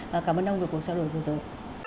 và cảm ơn ông về cuộc trao đổi vừa rồi